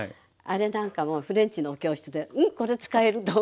あれなんかもフレンチのお教室でうんこれ使えると思って。